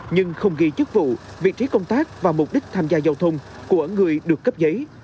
nhưng không ghi chức vụ vị trí công tác và mục đích tham gia giao thông của người được cấp giấy